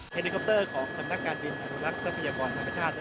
เหน็กคอปเตอร์ของสำนักการบินอาหารลักษณะพยาบาลธรรมชาติ